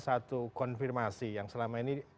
satu konfirmasi yang selama ini